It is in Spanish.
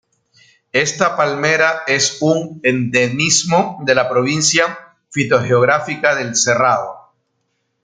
Esta palmera es un endemismo de la provincia fitogeográfica del cerrado.